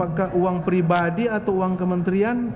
apakah uang pribadi atau uang kementerian